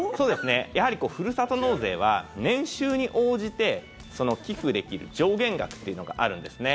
やはりふるさと納税は年収に応じて寄付できる上限額というのがあるんですね。